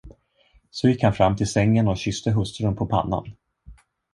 Så gick han fram till sängen och kysste hustrun på pannan.